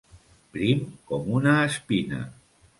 Prim com una espina.